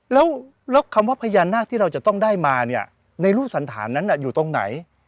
แล้วคำว่าพญานาคที่เราจะต้องได้มาเนี่ยในรูปสันฐานนั้นอยู่ตรงไหน